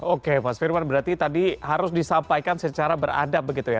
oke mas firman berarti tadi harus disampaikan secara beradab begitu ya